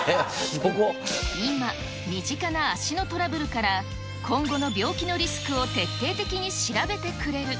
今、身近な足のトラブルから今後の病気のリスクを徹底的に調べてくれる。